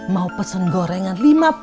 mau pesen gorengan